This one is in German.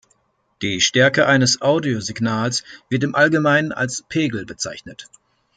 Die Stärke eines Audiosignals wird im Allgemeinen als Pegel bezeichnet.